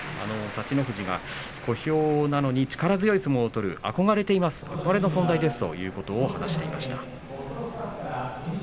幸乃富士は小兵なのに力強い相撲を取る憧れの存在ですとも話していました。